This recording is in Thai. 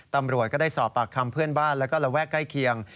ตำรวจก็ได้สอบปากคำเพื่อนบ้านแล้วก็ระแวกใกล้เคียง